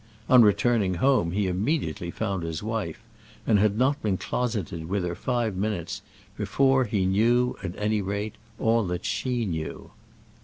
On returning home he immediately found his wife, and had not been closeted with her five minutes before he knew, at any rate, all that she knew.